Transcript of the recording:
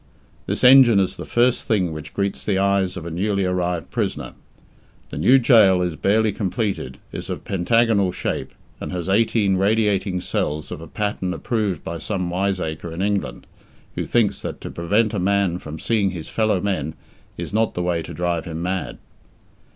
This engine is the first thing which greets the eyes of a newly arrived prisoner. The new gaol is barely completed, is of pentagonal shape, and has eighteen radiating cells of a pattern approved by some wiseacre in England, who thinks that to prevent a man from seeing his fellowmen is not the way to drive him mad.